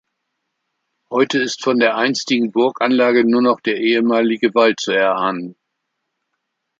Heute ist von der einstigen Burganlage nur noch der ehemalige Wall zu erahnen.